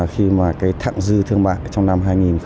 khi mà cái thặng dư thương mại trong năm hai nghìn một mươi bảy